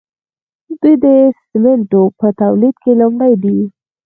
دوی د سیمنټو په تولید کې لومړی دي.